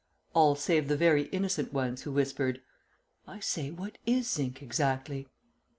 all save the very innocent ones, who whispered, "I say, what is zinc exactly?"